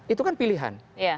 itu kan pilihan